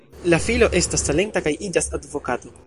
La filo estas talenta kaj iĝas advokato.